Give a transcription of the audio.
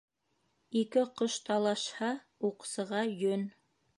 Ике ҡош талашһа, уҡсыға йөн.